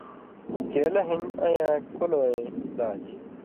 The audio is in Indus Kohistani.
کیلہ ہِن اَین٘یاں کلہۡ وَیں علاج